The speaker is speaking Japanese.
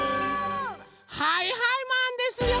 はいはいマンですよ！